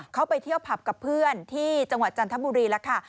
เขาไปเที่ยวผับกับเพื่อนที่จังหวัดจันทบุรีแล้วค่ะ